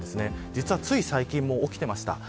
実はつい最近も起きていました。